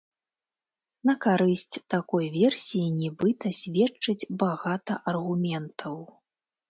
На карысць такой версіі нібыта сведчыць багата аргументаў.